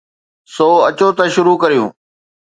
سو اچو ته شروع ڪريون